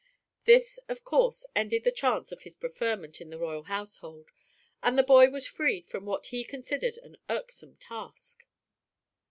This, of course, ended the chance of his preferment in the royal household, and the boy was freed from what he considered an irksome task.